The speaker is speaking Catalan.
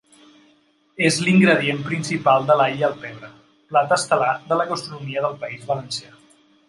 És l'ingredient principal de l'all i pebre, plat estel·lar de la gastronomia del País Valencià.